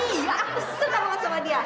iya aku suka banget sama dia